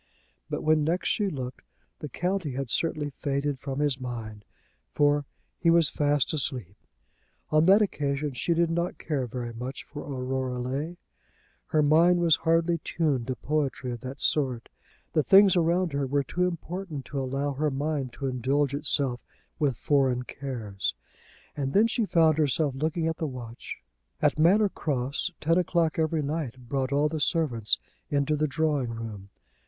But when next she looked, the county had certainly faded from his mind, for he was fast asleep. On that occasion she did not care very much for Aurora Leigh. Her mind was hardly tuned to poetry of that sort. The things around her were too important to allow her mind to indulge itself with foreign cares. And then she found herself looking at the watch. At Manor Cross ten o'clock every night brought all the servants into the drawing room.